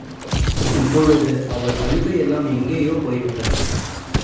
இப்பொழுது அவள் அழுகையெல்லாம் எங்கேயோ போய்விட்டது.